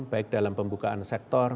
baik dalam pembukaan sektor